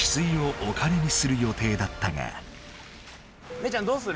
メイちゃんどうする？